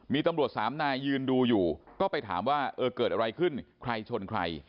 มีตำรวจสามนายยืนดูอยู่ก็ไปถามว่าเออเกิดอะไรขึ้นใครชนใคร